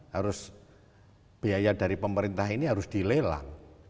harus biaya dari pemerintah ini harus dilelang